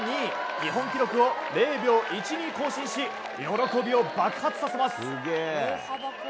日本記録を０秒１２更新し喜びを爆発させます。